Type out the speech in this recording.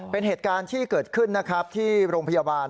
เป็นเหตุการณ์ที่เกิดขึ้นนะครับที่โรงพยาบาล